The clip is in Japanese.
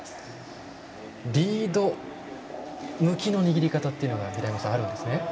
リード向きの握り方というのが平山さん、あるんですね。